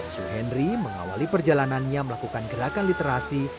suhendri mengawali perjalanannya melakukan gerakan literasi